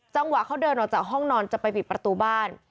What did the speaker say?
จังหวะเขาเดินออกจากห้องนอนจะไปบิดประตูบ้าน